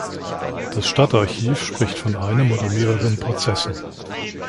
Das Stadtarchiv spricht von einem oder mehreren Prozessen.